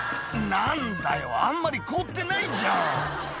何だよあんまり凍ってないじゃん」